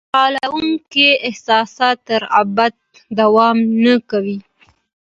خوشالونکي احساسات تر ابده دوام نه کوي.